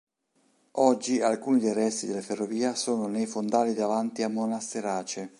Oggi alcuni dei resti della ferrovia sono nei fondali davanti a Monasterace.